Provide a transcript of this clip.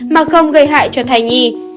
mà không gây hại cho thai nhi